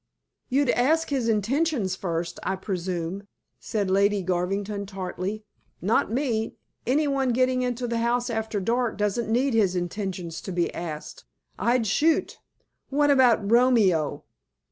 "You'd ask his intentions first, I presume," said Lady Garvington tartly. "Not me. Any one getting into the house after dark doesn't need his intentions to be asked. I'd shoot." "What about Romeo?"